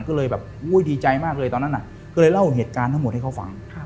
ก็เลยแบบอุ้ยดีใจมากเลยตอนนั้นก็เลยเล่าเหตุการณ์ทั้งหมดให้เขาฟัง